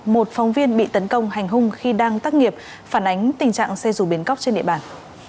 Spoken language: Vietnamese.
một phóng viên bị tấn công hành hung khi đang tác nghiệp phản ánh tình trạng xe rù bến cóc trên địa bàn